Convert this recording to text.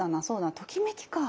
ときめきかぁ。